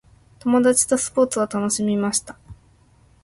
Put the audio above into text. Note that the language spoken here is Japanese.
友達とスポーツを楽しみました。